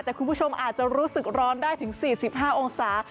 แต่คุณผู้ชมอาจจะรู้สึกร้อนได้ถึง๔๕องศา